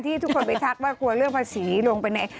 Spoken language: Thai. ที่ทุกคนไปทักว่าควรเลือกภาษีลงไปใน